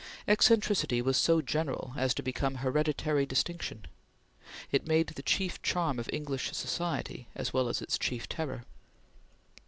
Eccentricity was so general as to become hereditary distinction. It made the chief charm of English society as well as its chief terror.